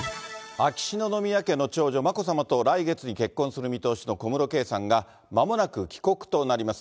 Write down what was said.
秋篠宮家の長女、眞子さまと来月に結婚する見通しの小室圭さんが、まもなく帰国となります。